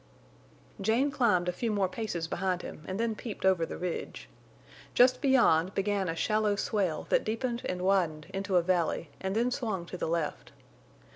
Jane climbed a few more paces behind him and then peeped over the ridge. Just beyond began a shallow swale that deepened and widened into a valley and then swung to the left.